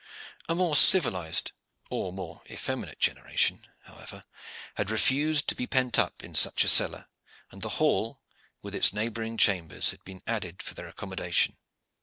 A more civilized or more effeminate generation, however, had refused to be pent up in such a cellar, and the hall with its neighboring chambers had been added for their accommodation.